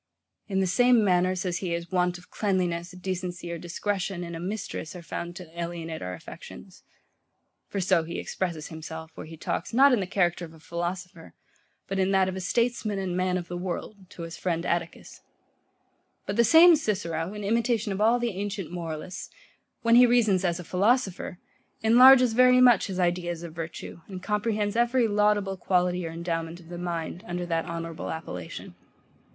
In the same manner, says he, as want of cleanliness, decency, or discretion in a mistress are found to alienate our affections. For so he expresses himself, where he talks, not in the character of a philosopher, but in that of a statesman and man of the world, to his friend Atticus. [Lib. ix. epist. 10]. But the same Cicero, in imitation of all the ancient moralists, when he reasons as a philosopher, enlarges very much his ideas of virtue, and comprehends every laudable quality or endowment of the mind, under that honourable appellation.